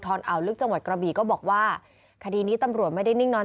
อ่าวลึกจังหวัดกระบีก็บอกว่าคดีนี้ตำรวจไม่ได้นิ่งนอน